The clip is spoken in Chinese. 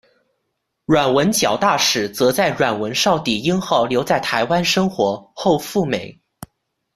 阮文矫大使则在阮文绍抵英后留在台湾生活，后赴美。